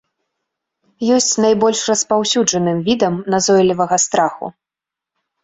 Ёсць найбольш распаўсюджаным відам назойлівага страху.